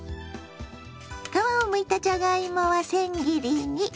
皮をむいたじゃがいもは千切りに。